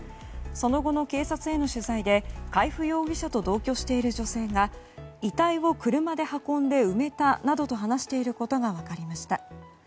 その後の警察への取材で海部容疑者と同居している女性が遺体を車で運んで埋めたなどと話していることが分かりました。